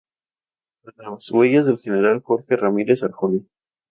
Tras las huellas del general Jorge Ramírez Arjona.